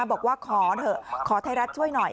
บอกว่าขอเถอะขอไทยรัฐช่วยหน่อย